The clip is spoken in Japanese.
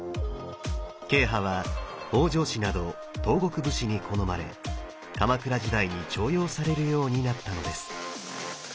慶派は北条氏など東国武士に好まれ鎌倉時代に重用されるようになったのです。